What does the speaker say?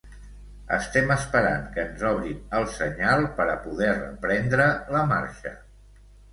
Estem esperant que ens obrin el senyal per a poder reprendre la marxa.